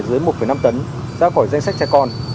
dưới một năm tấn ra khỏi danh sách trẻ con